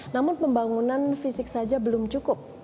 namun pembangunan fisik saja belum cukup